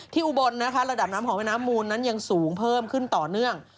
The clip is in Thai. อุบลนะคะระดับน้ำของแม่น้ำมูลนั้นยังสูงเพิ่มขึ้นต่อเนื่อง